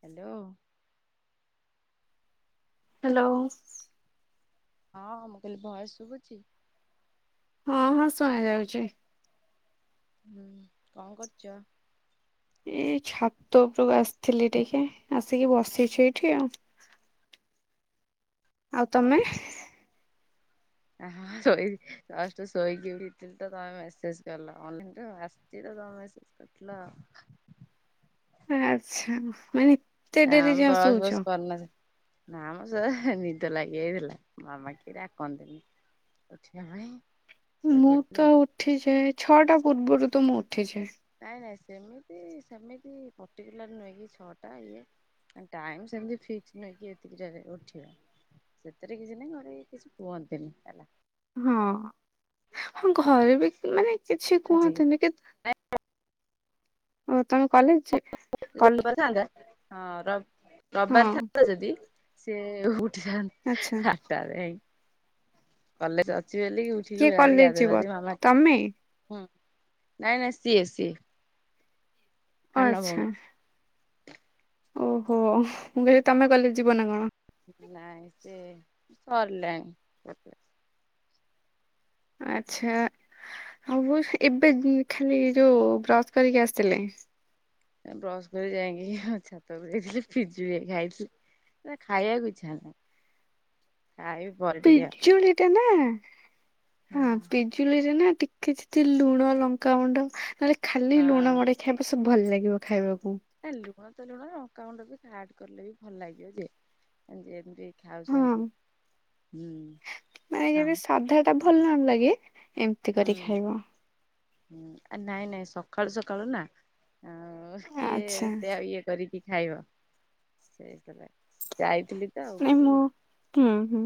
Hello hello ହଁ ମୁଁ କହିଲି ଭୟେସ ଶୁଭୁଛି ହଁ ହଁ ଶୁଣା ଯାଉଛି ହୁଁ କଣ କରୁଛ ଏଇ ଛାତ ଉପକୁ ଆସିଥିଲି ଟିକେ ଆସିକି ବସିଛି ଏଇଠି ଆଉ [inaudible] ଆଉ ହଁ ତମେ ଶୋଇ ଶୋଇକି ଉଠି ତ ତମେ ମେସେଜ କଲ ଅନ ଆସି ମସେଜ କରିଥିଲ ଆଚ୍ଛା ମାନେ ଏତେ ଆଁ ଡେରି ଯାଏଁ ବସ୍ ଶୋଉଛ? ବସ କରନ ନା ମ ସ ନିଦ ଲାଗିଯଇଥିଲା ମାମା କି ଡାକନ୍ତିନି ଉଠି ଭଣି ମୁଁ ତ ଉଠି ଯାଏ ଛଅଟା ପୂର୍ବରୁ ତ ମୁଁ ଉଠି ଯାଏ ନାଇଁ ନାଇଁ ସେମିତି ସେମିତି ପର୍ଟିକୁଲାର ନୁହେଁ କି ଛଅ ଟା ଇଏ ଟାଇମ ସେମତି ଫିକ୍ସ ନହଁ କି ଏତିକି ଉଠିବା ସେଥିରେ କିଛି ନାଇଁ ଘରେ କିଛି କୁହନ୍ତିନି ହେଲା ହଁ ହଁ ଘରେ ବି ମାନେ କିଛି ହେଲା। କୁହନ୍ତିନି କେ ଓ ତମେ କଲେଜ ଯେ ଯଦି କଲେ ରବିବାର ଥାନ୍ତା ହଁ ରବିବାର ଥାତା ଯଦି ସେି ଉଠିଥାାଆନ୍ ଆଚ୍ଛା ଆଠଟାଇ କଲେଜ ଅଛି ବଲି ଉଠିକି କିଏ ବାହାରି କଲେଜ ଗାଧେଇ ଯିବ? ଫାଦେଇ ମାମା ତମେ ନାଇଁ ନାଇଁ ସିଏ ସିଏ ସାନ ଭଉଣୀ। ଆଚ୍ଛା ଓହୋ ମୁଁ କହିଲି ତମେ କଲେଜ ଯିବ ନା କଣ ନାଇଁ ସେ ସରିଲାଣି ଆଚ୍ଛା ଆଉ ଏବେ ଖାଲି ଯୋଉ ବ୍ରସ୍ କରିକି ଆସିଲେ ବ୍ରସ କରି ଯାଇଁକି ଆ ଛାତକୁ ଯାଇଥିଲି ପିଜୁଳି ଖାଇଥିଲି ସେ ଖାଇବାକୁ ଇଛା ହେଲାନି ପିଜୁଳିଟା ନା ହଁ ପିଜୁଳି ରେ ନା ଟିକେ ଯଦି ଲୁଣ ଲଙ୍କାଗୁଣ୍ଡ ନହେଲେ ଖାଲି ଲୁଣ ମଡେଇ ଖାଇବ ସବ ଭଲ ଲାଗିବ ଖାଇବାକୁ ହେ ଲୁଣ ତ ଲୁଣ ଲଙ୍କାଗୁଣ୍ଡ ବି ଆଡ କଲେ ବି ଭଲଲାଗିବ ଯେ ଯେମିତି ହଁ, ଖାଉଛନ୍ତି। ହୁଁ। ମାନେ ନାମ ଯେବେ ସାଧା ଟା ଭଲ ନ ଲାଗେ ଏମିତି କରି ହୁଁ। ଖାଇବ ହୁଁ ନାଇଁ ନାଇଁ ସକାଳୁ ସକାଳୁ ନା ଆଉ କିଏ ଆଚ୍ଛା ଏତେ ଆଉ ଇଏ କରିକି ଖାଇବ ସେଇକଥା ଯା ନାଇଁ ମୁଁ ହୁଁ ହୁଁ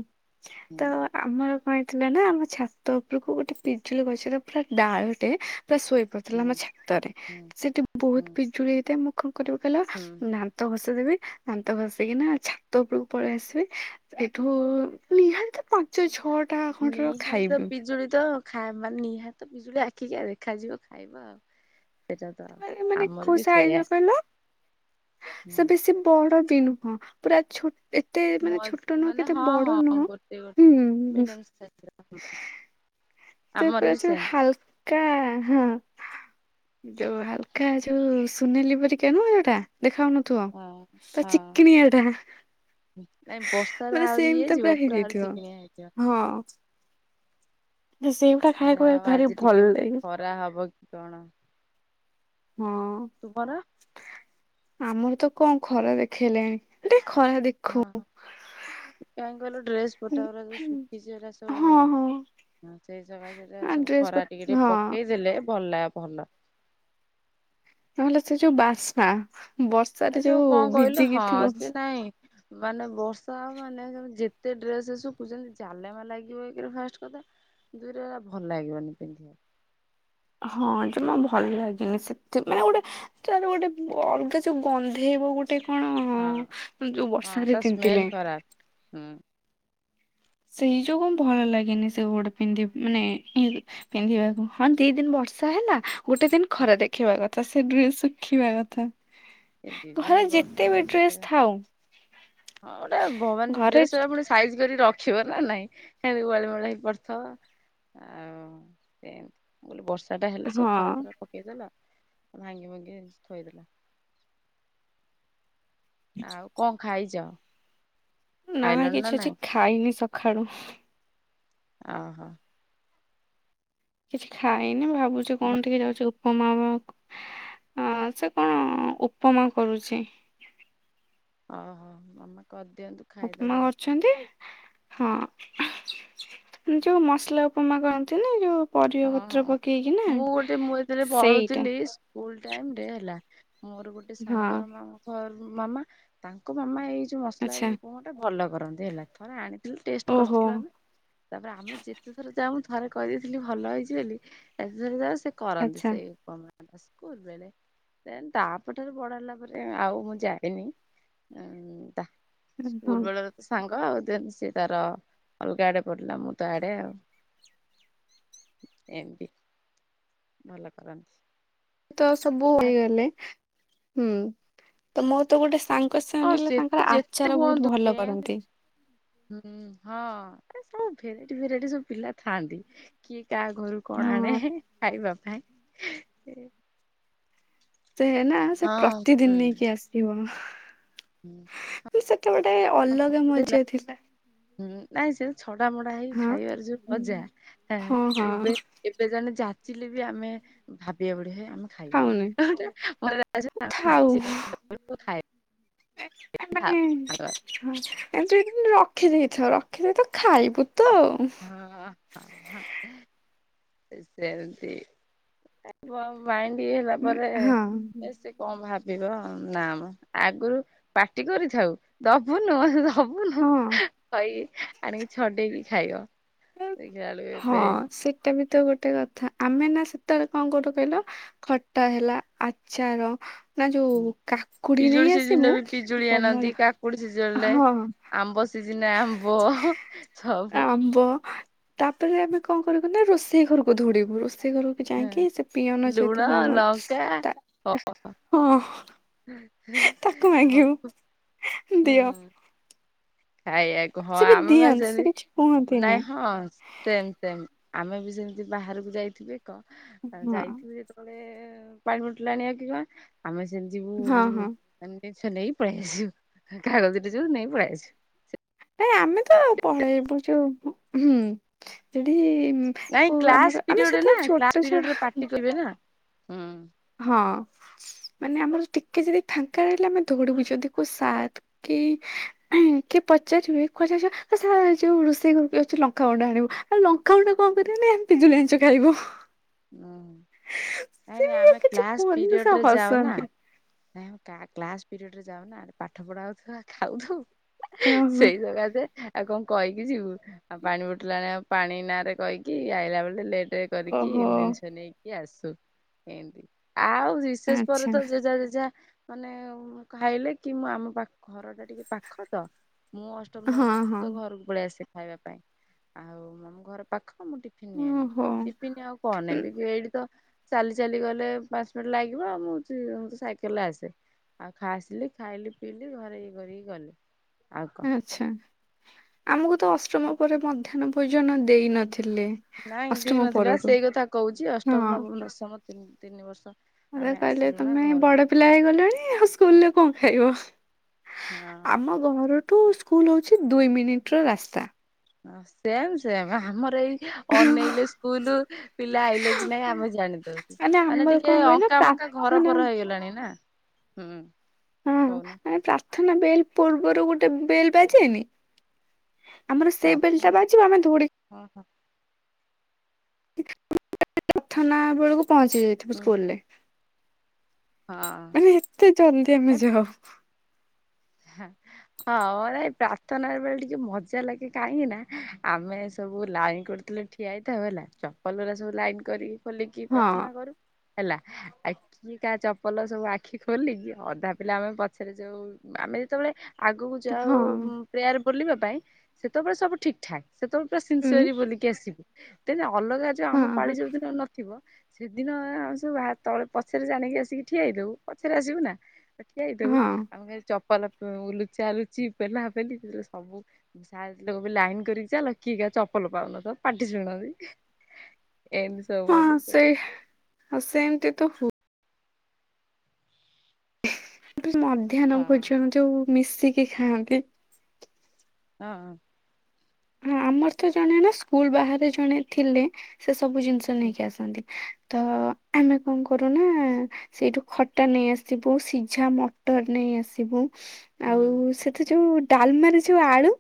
ହୁଁ ତ ଆମର କଣ ହେଇଥିଲା ନା ଆମ ଛାତ ଉପରକୁ ଗୋଟେ ପିଜୁଳି ଗଛର ପୁରା ଡାଳଟେ ପୁରା ଶୋଇ ହୁଁ ପରୁଥିଲା ଆମ ଛାତରେ ହୁଁ ସେଠି ହୁଁ ବହୁତ ପିଜୁଳି ହେଇଥାଏ କରିବାକୁ ହେଲା ହୁଁ ଦାନ୍ତ ଘଷିଦେବି ଦାନ୍ତ ଘଷିକିନା ଛାତ ଉପରକୁ ପଳେଇଆସିବି ସେଇଠୁ ନିହାତି ତ ପାଞ୍ଚ ଛଅ ନିହାତି ତ ପିଜୁଳି ତ ଖାଇ ମାନେ ନିହାତ ପିଜୁଳି ଆଖିକି ଦେଖାଯିବ ଖାଇବ ଆଉ ସେଇଟା ତ ଏ ମାନେ ଆମର କୋଉ ବି ସାଇଜ ସେଇଆ ର କହିଲ ସେ ବେଶୀ ବଡ ବି ନୁହଁ ପୁରା ଛୋ ଏତେ ମ ମାନେ ଛୋଟ ନୁହଁ କି ମାନେ କେତେ ହଁ ବଡ ହଁ ନୁହଁ ଗୋଟେ ଗୋଟେ ହୁଁ। ମିଡିୟମ ସାଇଜର [inaudible] ତ ପୁରା ବି ଯୋଉ ସେମ୍ ହାଲକା ହଁ। ଯୋଉ ହାଲକା ଯୋଉ ସୁନେଲି ପରିକା ନୁହଁ ଯୋଉଟା? ଦେଖା ଯାଉନଥିବ ହଁ ପୁରା ହଁ ଚିକିଣିଆଟା ନାଇଁ ବର୍ଷାରେ ମାନେ ଆହୁରି ଇଏ ସେମତିଆ ହେଇଯିବ ପୁରା ଆହୁରି ହେଇଯାଇଥିବ ଚିକିଣିଆ ହେଇଯିବ ହଁ। ଦେ ସେଇଗୁଡା ଖାଇବାକୁ ଯାହା ହଉ ଭାରି ଆଜି ଟିକେ ଭଲ ବୋଧେ ଲାଗେ ଖରା ହବ କି କଣ? ହଁ ତୁମର? ଆମର ତ କଣ ଖରା ଦେଖେଇଲାଣି ଡେ ଦେଖୋଉ କାହିଁକି କହିଲୁ ଡ୍ରେସ ପଟା ଗୁରା ଯୋଉ ଶୁଖିଚି ସେରା ସବୁ ହଁ ସେଇସକାସେ ସେରା ଆ ସବୁ ଡ୍ରେସ ପ ଖରା ଟିକେ ଟିକେ ହଁ ପକେଇ ଦେଲେ ଭଲ ଲାଗେ ଭଲ ନହେଲେ ସେ ଯୋଉ ବାସ୍ନା ବର୍ଷା ଏ ରେ ଯୋଉ କଣ କହିଲୁ ଭିଜିକି ହଁ ଥିବ ସେ ନାଇଁ ମାନେ ବର୍ଷା ହବ ମାନେ ତମେ ଯେତେ ଡ୍ରେସ ଶୁଖୁ ଜାଲେମା ଲାଗିବ ଏକରେ ଫାଷ୍ଟ କଥା ଦୁଇରେ ହେଲା ଭଲ ଲାଗିବନି ପିନ୍ଧିବାକୁ ହଁ ଜମା ଭଲ ଲାଗେନି ସେଥି ମାନେ ଗୋଟେ ଯାହବି ଗୋଟେ ବ ଅଲଗା ଯୋଉ ଗନ୍ଧେଇବ ଗୋଟେ ଗୋଟେ ହଁ କଣ ଯୋଉ ହଁ ବର୍ଷାରେ ତା ସ୍ମେଲ ତିନ୍ତିଲେଣି ଖରାପ ହୁଁ। ସେଇ ଯୋଗୁଁ ଭଲ ଲାଗେନି ସେ ଗୁଡା ପିନ୍ଧି ମାନେ ଇଁ ପିନ୍ଧିବାକୁ ହଁ ଦି ଦିନ ବ ବର୍ଷା ହେଲା ଗୋଟେ ଦିନ ଖରା ଦେଖେଇବା କଥା ସେ ଡ୍ରେସ ଶୁଖିବା କଥା। ଏ ଦି ଦିନ ଘରେ ବର୍ଷା ଯେତେ ବି ଏତେ ଡ୍ରେସ ଥାଉ ହଁ ଗୋଟେ ଭ ମାନେ ଘରେ ଡ୍ରେସ ପୁଣି ସାଇଜ୍ କରି ରଖ ଖିବ ନା ନାଇଁ ହେନ୍ତି ଗୋଳମୋଳ ହେଇକି ପଡଥବ। ଆଉ ସେନ୍ତି ମୁଁ କହିଲି ବର୍ଷା ଟା ହେଲେ ସବୁ ହଁ ଖରା ପରା ରେ ପକେଇଦେଲ ଭାଙ୍ଗି ଭୁଙ୍ଗି ଥୋଇଦେଲ ଆଉ କଣ ଖାଇଚ? ନା କିଛି ଆଜି ଖାଇନି ସକାଳୁ। ଅ ହୋ। କିଛି ଖାଇନି ଭାବୁଚି କଣ ଟିକେ ଯାଉଛି ଉ ଉପମା କଁ ଅଁ ସେ କଣ ଉପମା କରୁଚି ଓ ହୋ ଭଲ ଉପମା କରୁଚନ୍ତି। ହଁ, ଯୋଉ ମସଲା ଉପମା କରନ୍ତି ନି ଯୋଉ ପରିବା ହଁ ପତ୍ର ହଁ। ପକେଇକି ନା ମୁଁ ଗୋଟେ ମୁଁ ଯେତେବେଳେ ସେଇଟା ପଢୁଥିଲି ସ୍କୁଲ ଟାଇମ ରେ ହେଲା ମୋର ଗୋଟେ ହଁ ସାଙ୍ଗର ମାମ ଘର ମାମା ତାଙ୍କ ମାମା ଏଇ ଯୋ ଯୋଉ ମସଲା ଆଚ୍ଛା ଏଇ ଉପମା ଟା ଭଲ କରନ୍ତି ହେଲା ଥରେ ଆଣି ଲ ଟେଷ୍ଟ ଓହୋ କରିଥିଲୁ ଆମେ ତାପରେ ଆମେ ଯେତେ ଥର ଯାଉଁ ମୁଁ ଥରେ କହିଦେଇଥିଲି ଭଲ ଭଲ ହେଇଚି ବୋଲି ଯେତେଳେ ଯାଉ ସେ କରନ୍ତି ଆଚ୍ଛା ସେ ଉପମା। ତାଙ୍କ ସ୍କୁଲ ବେଳେ ଦେନ ତାପଠାରୁ ବଡ଼ ହେଲା ପରେ ଆଉ ମୁଁ ଯାଇନି ଇଁ ତା ହଁ ସ୍କୁଲ ବେଳ ତ ସାଙ୍ଗ ସାଙ୍ଗ ଦେନ ସେ ତାର ଅଲଗା ଆଡେ ପଢ଼ିଲା ମୁଁ ତ ଆଡେ ଆଉ। ଏମତି ଭଲ କରନ୍ତି। ତ ସବୁ ହେଇଗଲେ ହୁଁ ତ ମୋ ତ ଗୋଟେ ସାଙ୍ଗ ବେଶୀ ହଁ ଅନେଇଲ ସେତେ ତାଙ୍କର ଯେତେ ଆଚାର ବହୁତ ହୁଅନ୍ତୁ ଭଲ ଟେନ୍ଥ କରନ୍ତି। ହୁଁ ହଁ ଆରେ ସବୁ ଭେରାଇଟି ଭେରାଇଟି ସବୁ ପିଲା ଥାଆନ୍ତି କିଏ ଏ କାହା ଘରୁ କଣ ଆଣେ ହଁ ଖାଇବା ପାଇଁ ସେ ନା ସେ ହଁ। ହୁଁ ପ୍ରତିଦିନ ହେଇକି ଆସିବ ହୁଁ ସେତେବେଲେ ଗୋଟେ ଅଲଗା ଗୋଟେ ମଜା ଥିଲା। ହୁଁ ଆାଇ ସେ [unintelligible] ଛଡା ମଡା ହେଇ ହଁ ଖାଇବାର ଯୋଉ ମଜା ଆ ହଁ ଏବେ ହଁ ଏବେ ଜଣେ ଯା ଚିଲେ ବି ଆମେ ଭାବିବା ବଡ ହେ [unintelligible] ଆମେ ଖାଇବାନି [unintelligible] ଖାଉନି ଥାଉ ମାନେ ଖାଇବା [unintelligible] ଏମୁତି ରଖିଦେଇଥଉ ରଖିଦେଇଥ ଖାଇବୁ [unintelligible] ହଁ ହ ସେ ସେମୀତିଇ ତାକୁ ଆଉ [unintelligible] ଫି ହେଲା ପରେ ହଁ ସେ କଣ ଭାବ ବିକବ ନା ମ ଆଗରୁ ପାଟି କରିଥାଉ ଦବୁନୁହ ହବୁନୁ ହଁ କହି ଆଣିକି ଛଡେଇବି ଖାଇବ ଦେଖିଲା ବେଳକୁ ହଁ ଏବେ ସେଇଟା ବି ତ ଗୋଟେ କଥା ଆମେ ନା ସେତେବେଳେ କଣ କରୁ କହିଲ ଖଟା ହେଲା ଆଚାର ନା ଯୋଉ ହୁଁ କାକୁଡି ପିଜୁଳି ନେଇ ଆସିବୁ ସିଜନରେ ବି ପିଜୁଳି ଆଣନ୍ତି କମଲ କାକୁଡି ସିଜନରେ ହଁ ଆମ୍ବ ସିଜନ ଆମ୍ବ ହ ସବୁ ଆମ୍ବ ତାପରେ ଆମେ କଣ କରିବୁ ନା ରୋଷେଇ ଘରକୁ ଧ ଡିବୁ ରୋଷେଇ ସେ ଘରକୁ ଯାଇକି ସେ ପିଅନ ଯେ ଲୁଣ ଥିବ ଆମର ଲଙ୍କା ତା ହଁ ତାକୁ ମାଗିବୁ ସବୁ ଦିଅ ଖାଇଆକୁ ହଁ ସେ ବି ଆମେ ପା ଦିଅନ୍ତି ସେ କିଛି ସେମିତି କୁହନ୍ତିନି ନାଇଁ ହଁ ସେମ ସେମ ଆମେ ବି ସେମିତି ବାହାରକୁ ଯାଇଥିବେ କ ହଁ ଯାଇଥିବେ ହେ ପାଣି ବଟଲ ଆଣିବା କି ଯିବା ଆମେ ସେ ଯିବୁ ହଁ ହଁ ମାନେ ଜିନିଷ ନେଇ ପଲେଇଆସିବୁ କାଗଜଟେ ଯୁ ନେଇ ପଲେଇ ଆସିବୁ ନାଇଁ ଆମେ ତ ପଳେଇବୁ ଯୋଉ ହୁଁ ସେଠି ନାଇଁ କୋଉ କ୍ଲାସ୍ ଆମର ଆମେ ପିରିୟଡ଼ ନା ସେତେବେଳେ ଛୋଟ କ୍ଲାସ ଛୁଆ ପିରୀୟଡରେ ପାଟି କରିବେ ନା ହୁ ହଁ ମାନେ ଆମର ଟିକେ ଯଦି ଫାଙ୍କା ରହିଲା ଆମେ ଦୌଡିବୁ ଯଦି କୋଉ ସାର୍ କି ହୁକିଏ ପଚାରିବେ କୁଆଡେ ଯାଇଛ ସିଏ ପା ଏ ଯୋଉ ରୋଷେଇ ଘରୁ ଲଙ୍କା ଗୁଣ୍ଡ ଆଣିବୁ ଆଉ ଲଙ୍କା ଗୁଣ୍ଡ କଣ କରିବେ ନା ଆମେ ପିଜୁଲି ଆନିଛୁ ଖାଇବୁ। ହୁଁ। ନାଇଁ ସେ ନାଇଁ ବି ଆଉ ଆମେ କିଛି କ୍ଲାସ କୁହନ୍ତିନି ସେ ପିୟଡରେ ଯାଉ ନା ହସନ୍ତି। କା କ୍ଲାସ୍ ପିରିୟଡରେ ଯାଉନା ପାଠ ପଢାଉିବ ଖାଉଥିବୁ ଓହୋ ସେଇ ଜାଗା ଯେ [unintelligible] ଆଉ କଣ କହିକି ଯିବୁ ଆଉ ପାଣି ବୋଟଲ ଆଣିଲା ଆଉ ପାଣି ନାଁ ରେ କହିକି ଆଇଲା ବେଳେ ଲେଟ ରେ କରିକି ଓହୋ ତିନି ଜିନିଷ ନେଇକି ଆସୁ ଏମତି ଆଉ ବିଶେଷ ପରେ ଆଚ୍ଛା ତ ଜେଜା ଜେଜା ମାନେ ଉ ଖାଇଲେ କି ମୁଁ ଆମ ପାଖ ଘର ଟା ଟିକେ ପାଖ ତ ମୁଁ ଅଷ୍ଟମ ନବ ହଁ ଦ ସମ ହଁ ତ ଘରକୁ ପଳେଇ ଆସେ ଖାଇବା ପାଇଁ ଆଉ ଆମ ଘର ପାଖ ହ ମୁଁ ଟିଫିନ ନିଏନି ଓହୋ। ଟିଫିନ ଆଉ କଣ ନେବି ଏଇଠି ତ ଚାଲି ଚାଲି ଗଲେ ପାଞ୍ଚ ମିନିଟ ଲାଗିବ ଆଉ ମୁଁ ଚି ସାଇକେଲରେ ଆସେ ଆଉ ଖାଇଆସିଲି ଖାଇଲି ପିଇଲି ଘରେ ଇଏ କରିକି ଗଲେ ଆଛା ଆମକୁ ତ ଅଷ୍ଟମ ପରେ ମଧ୍ୟାହ୍ନ ଭୋଜନ ଦେଇନ ନାଇ ଦେଇ ନଥିଲା ପା ସେଇ କଥା କହୁଛି ହଁ ଅଷ୍ଟମ ନବମ ଦଶମ ତି ତିନି ବର୍ଷ ମତେ ଆମେ କହିଲେ ଆସିଲୁ ନା ତମେ ଘରକୁ ବଡ ପିଲା ହେଇଗଲେଣି ଆଉ ସ୍କୁଲରେ କଣ ଖାଇବ ହଁ ଆମ ଘରଠୁ ସ୍କୁଲ ହଉଛି ଦୁଇ ମିନିଟ ର ରାସ୍ତା। ହ ସେମ ସେମ ଆମର ଏଇ ଅନେଇଲେ ସ୍କୁଲ ପିଲା ଆଇଲେ କି ନାଇଁ ଆମେ ଜାଣି ଦଉଛ ମାନେ ଆମର କଣ ଟିକେ କହିଲ ଅଙ୍କା ମଙ୍କା ଘର ପ୍ରାର୍ଥନା ପର ହେଇଗଲାଣି ନା ହୁଁ ହଁ କହୁନ ମାନେ ପ୍ରାର୍ଥନା ବେଲ ପୂର୍ବରୁ ଗୋଟେ ବେଲ ବାଜେନି ଆମର ସେ ବେଲଟା ପ୍ରାର୍ଥନା ବାଜିବା ଆମେ ଦ‌ଉଡି ହଁ ହଁ [unintelligible] ପ୍ରାର୍ଥନା ବେଳକୁ ପହଞ୍ଚି ଯାଇଥିବ ହୁଁ। ସ୍କୁଲ ରେ ହଁ ମାନେ ଏତେ ଜଲଦି ଆମେ ଯାଉ ହଁ ହଁ ଏ ପ୍ରାର୍ଥନା ବେଳେ ଟିକେ ମଜା ଲାଗେ କାହିଁକି ନା ଆମେ ସବୁ ଲାଇନ୍ କରିଥି ଠିଆ ହେଇଥାଉ ହେଲା। ଚପଲା ରା ସବୁ ଲାଇନ କରିକି ଖୋଲିକି ହଁ ପ୍ରାର୍ଥନା କରୁ। ହେଲା। ଆ କିିଏ କାହା ଚପଲ ସବୁ ଆଖି ଖୋଲିକି ଅଧା ପିଲା ଆମେ ପଛରେ ଯୋଉ ଆମେ ଯେତେବେଳେ ଆଗକୁ ଯାଉ ହଁ ପ୍ରେୟାର ବୋଲିବା ପାଇଁ ସେତେବେଳେ ସବୁ ଠିକ ଠାକ୍। ସେତେବେଳେ ପୁରା ଉଁ ସିିନ୍ସିୟରୀଲି ବୋଲିକି ଆସିବୁ। ଦେନ୍ ଅଲଗା ଯୋଉ ଆମ ପାଳି ହଁ ଯୋଉ ଦିନ ନଥିବ ସେଦିନ ଆମେ ସବୁ ବା ତଳେ ପଛରେ ଜାଣିକି ଆସିକି ଠିଆ ହେଇଥିବୁ, ପଛରେ ଆସିବୁ ନା। ଠିଆ ହେଇଥିବୁ। ହଁ। ଆମ ଖାଲି ଚପଲ ଲୁଚା ଲୁଚି ପେଲା ପେଲି ସବୁ ଲାଇନ୍ କରିକି ଚାଲ, କିଏ ଚପଲ ପାଉନ ତ ପାଟିଶୁଣାନି। ହଁ ସେଇ ସେମତି ତ ହ ମଧ୍ୟାହ୍ନ ହଁ ଭୋଜନ ଯଉ ମିଶିକି ଖାଆନ୍ତି ହଁ। ହଁ ଆମର ତ ଜଣେ ନା ସ୍କୁଲ ବାହାରେ ଜଣେ ଥିଲେ। ସେ ସବୁ ଜିନିଷ ନେଇକି ଆସନ୍ତି। ତ ଆମେ କଣ କରୁନା ସେଇଠୁ ଖଟା ନେଇ ଆସିବୁ ସିଝା ମଟର ନେଇ ନେଇ ଆସିବୁ। ହୁଁ। ଆଉ ସେଥି ଯୋଉ ଡାଲମାରେ ଯୋଉ ଆଳୁ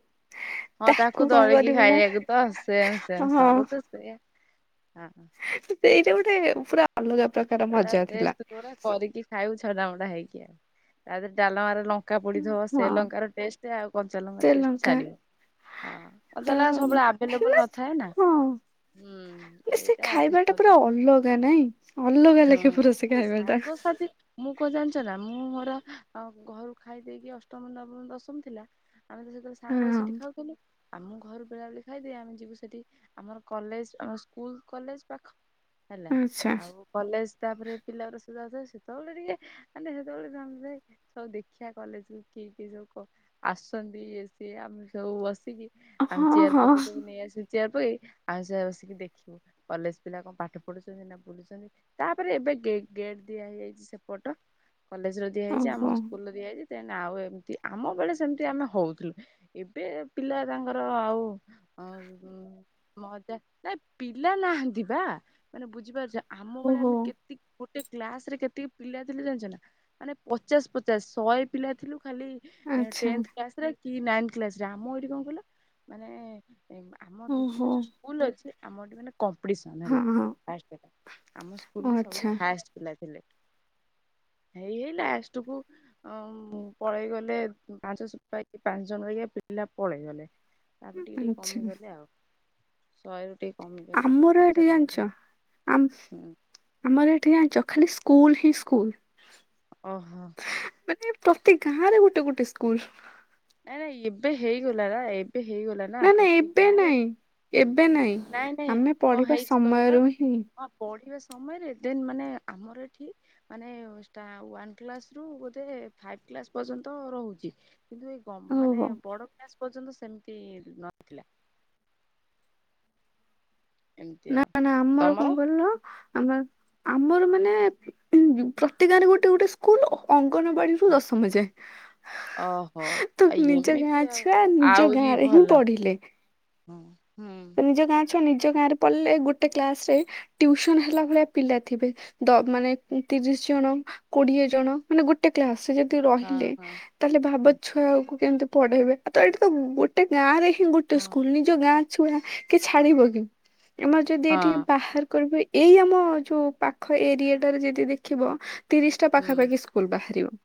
ହଁ ତାକୁ କଣ ଦଳିକି କରିବୁ ନା ଖାଇବାକୁ ତ ସେମ୍ ସେମଟ ହଁ ସବୁ ତ ସେମ୍। ସେଇଟା ଗୋଟେ ପୁରା ଅଲଗା ପ ଏଡ଼ା ଟେଷ୍ଟ କଉରା କରିକି ଖାଇବୁ ଛଡା ମଡ଼ା ହେଇକି। ଆଉ ଡାଲେମା ରୁ ଲ ଲଙ୍କା ପଡିଥିବ ସେ ହଁ ଲଙ୍କାର ଟେଷ୍ଟ ଆଉ କଞ୍ଚାଲଙ୍କା ସେ ଟଷ୍ଟ ଲଙ୍କା ଛାଡିବ। ହଁ ତ କଞ୍ଚା ଲଙ୍କା ମାନେ ସବୁବେଳେ ଆଭେଲେବଲ ନଥାଏ ନା। ହଁ ହୁଁ। ହୁଁ ମାନେ ସେ ଏଇଟା ଖାଇବା ଆଡଜଷ୍ଟ ଟା କରିଦେ ପୁରା ଅଲଗା ନାଇଁ। ଅଲ ହୁଁ ଆରେ ସାଙ୍ଗସାଥି ମୁଁ କ ଜାଣିଛ ନା ମୁଁ ମୋ ଘରୁ ଖାଇ ଦେଇକି ଅଷ୍ଟ, ନବମ, ଦଶମ ଥିଲା। ଆମେ ତ ସେତେବେଳେ ସାଙ୍ଗ ହଁ ହେଇକିସେଠି ଖାଉଥିଲୁ। ଆମ ଘରୁ ବେଳା ବେଳି ଖାଇଦେଇ ଆମେ ଯିବୁ ସେଠି ଆମର କଲେଜ ଆମ ସ୍କୁଲ କଲେଜ ପାଖ। ହେଲା। ଆଚ୍ଛା ଆଉ କଲେଜ ଷ୍ଟାପରେ ପିଲାଗୁରା ସେତେବେଳେ ଟିକେ ମାନେ ସେତେବେଳେ ହଉ ଦେଖିବା କଲେଜ୍ କୁ କିଏ କିଏ ସବୁ କ ଆସନ୍ତି ଏ ସିଏ ଆମେ ସବୁ ବସିକି ଆମେ ହଁ ଚେୟାର ହଁ। ପକେଇଦବୁ ନେଇ ଆସି ସେଇୟା କୁ ବି ଆମେ ସବୁ ବସିକି ଦେଖିବୁ କଲେଜ ପିଲା କଣ ପାଠ ପଢୁଛନ୍ତି ନା ବୁଲୁଛନ୍ତି। ତାପରେ ଏବେ ଗେଟ୍ ଦିଆ ଦିଆ ହେଇଯାଇଛି ସେପଟ। କଲେଜ ର ଦିଆହେଇଛି ଆମ ଓହୋ ସ୍କୁଲ ର ଦିଆ ହେଇଚି। ଆଉ ଏମିତି ଆମ ବେଳେ ସେମତି ଆମେ ହଉଥିଲୁ। ଏବେ ପିଲା ତାଙ୍କର ଆଉ ହ ମଜା ନାଇ ପିଲା ନାହାନ୍ତି ବା ମାନେ ବୁଝିପାରୁଚ। ଆମ ଭଳିଆ ଓହୋ ଆମେ କେତିକ୍ ଗୋଟେ କ୍ଲାସ ରେ କେତିକି ପିଲା ଥିଲୁ ଜାଣିଛ ନା ମାନେ ପଚାଶ ପଚାଶ ଶହେ ପିଲା ଥିଲୁ। ଖାଲି ଆଚ୍ଛା ଟେନ୍ଥ୍ କ୍ଲାସ୍ ରେ କି ନାଇନ୍ଥ୍ କ୍ଲାସ୍ ରେଆମ ଏଇଠି କଣ କହିଲ ମାନେ ଆମ ଦି ତିନ୍ ଟା ଓହୋ ଯୋଉ ସ୍କୁଲ୍ ଅଛି ଆମର ଏଠି ମାନେ କମ୍ପିଟିସନ୍ ହଁ ହେଲା। ହଁ ଫାଷ୍ଟ ହେଲା। ଆମ ଓ ସ୍କୁଲରେ ସବୁଠୁ ଆଚ୍ଛା ହାଏଷ୍ଟ ପିଲା ଥିଲେ। ହେଇ ହେଇ ଲାଷ୍ଟ କୁ ପଳେଇ ଗଲେ ପାଞ୍ଚ ଛ ପାଞ୍ଚ ଜଣ ହେରିକା ପିଲା ପଳେଇଗଲେ। ତାପରେ ଟିକେ ଟିକେ ଆଚ୍ଛା କମିଗଲେ ଆଉ। ଶହେରୁ ଟି ଆମର ଏଠି ଜାଣିଚ, ଆ ହୁଁ ଆମର ଏଠି ଜାଣିଚ ଖାଲି ସ୍କୁଲ ହିଁ ସ୍କୁଲ। ଓହୋ। ମାନେ ପ୍ରତି ଗାଁ ରେ ଗୋଟେ ଗୋଟେ ସ୍କୁଲ। ଆ ନା ଏବେ ହେଇଗଲା ନା ଏବେ ହେଇଗଲା ନା ପ୍ରତି ଗାଁରେ। ହୁଁ। ଏବେ ନାଇଁ ନାଇଁ ଆମେ କଣ ପଢିବା ହେଇଛି କହିଲ ସମୟରୁ ହିଁ। ହଁ ପଢିବା ସମୟରେ ଦେନ୍ ମାନେ ଆମର ଏଠି ମାନେ ଷ୍ଟା ୱାନ୍ କ୍ଲାସ ରୁ ବୋଧେ ଫାଇବ୍ ଫାଇବ୍ କ୍ଲାସ୍ ପର୍ଯ୍ୟନ୍ତ ରହୁଚି। କିନ୍ତୁ ମାନେ ଓହୋ ବଡ କ୍ଲାସ ପର୍ଯ୍ୟନ୍ତ ସେମିତି ନଥିଲା। ଏମିତି ନା ଆଉ ନା ଆମର କଣ ତମର? କହିଲ ଆମର ଆମର ମାନେ ଉଁ ପ୍ରତି ଗାଁରେ ଗୋଟେ ଗୋଟେ ସ୍କୁଲ ଅଙ୍ଗ୍ ଅଙ୍ଗନବାଡ଼ିରୁ ଦଶମ ଓହୋ ଯାଏ। ତ ଆ ନିଜ ଏମିତି ଗାଁ ଆଉ ଛୁଆ ନିଜ ଆହୁରି ଗାଁରେ ହିଁ ଭଲ। ପଢିଲେ। ହଁ ହୁଁ ନିଜ ଗାଁ ଛୁଆ ନିଜ ଗାଁରେ ପଢଲେ ଗୋଟେ କ୍ଲାସରେ ଟିଉସନ୍ ହେଲା ଭଳିଆ ପିଲା ଥିବେ। ତ ମାନେ ତିରିଶ ଜଣ କୋଡିଏ ଜଣ ମାନେ ଗୋଟେ କ୍ଲାସରେ ତୁ ହଁ ରହିଲେ ହଁ ତାହେଲେ ଭାବ ହୁଁ, ଛୁଆକୁ କେମତି ପଢେଇବେ ଆଉ ତ ଏଇଠି ତ ଗୋଟେ ଗାଁରେ ହିଁ ଗୋଟେ ହଁ ସ୍କୁଲ ନିଜ ଗାଁ ଛୁଆ କିଏ ଛାଡିବ କି ଆମର ଯଦି ଏଠିକି ହଁ ବାହାର୍ କରିବେ ଏଇ ଆମ ଯୋଉ ପାଖ ଏରିଆଟାରେ ଯେଦି ଦେଖିବ ତିରିଶଟା ହୁଁ। ପାଖାପାଖି ସ୍କୁଲ ବାହାରିବ।